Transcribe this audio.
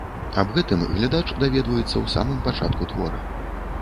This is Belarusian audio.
Аб гэтым глядач даведваецца ў самым пачатку твора.